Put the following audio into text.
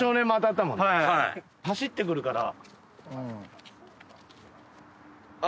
走って来るから。